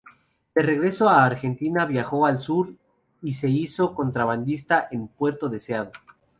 De regreso a Argentina viajó al sur y se hizo contrabandista en Puerto Deseado.